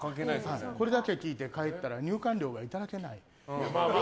これだけを聴いて帰ったら入館料がいただけない。